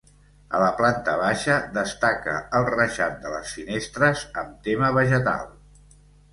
A la planta baixa destaca el reixat de les finestres amb tema vegetal.